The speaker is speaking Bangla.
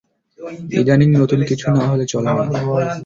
ইদানীং নতুন কিছু না হলে চলে না।